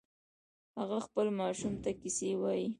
هغه خپل ماشوم ته کیسې وایې